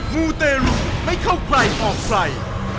มูเตรุไม่เข้าใกล้ออกไฟ